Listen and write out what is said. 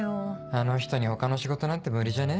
あの人に他の仕事なんて無理じゃね？